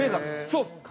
そうです。